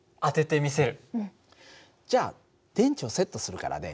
じゃあ電池をセットするからね